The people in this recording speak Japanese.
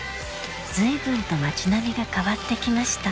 随分と街並みが変わってきました。